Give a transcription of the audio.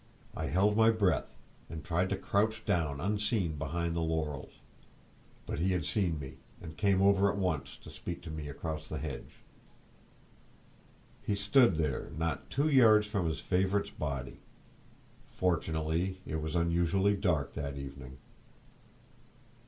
I held my breath, and tried to crouch down unseen behind the laurels; but he had seen me, and came over at once to speak to me across the hedge. He stood there, not two yards from his favourite's body! Fortunately it was unusually dark that evening.